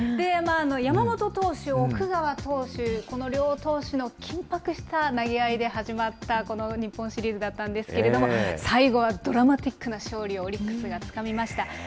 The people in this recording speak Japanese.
山本投手、奥川投手、この両投手の緊迫した投げ合いで始まった、この日本シリーズだったんですけれども、最後はドラマティックな勝利をオリックスがつかみました。